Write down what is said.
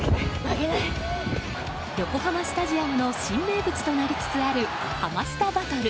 横浜スタジアムの新名物となりつつあるハマスタバトル。